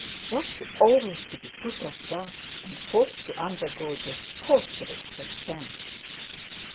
Was she always to be put off thus, and forced to undergo this torturing suspense?